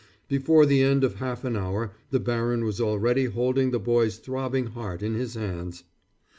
Before the end of half an hour the baron was already holding the boy's throbbing heart in his hands.